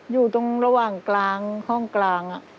อยู่ตรงระหว่างกลางห้องกลาง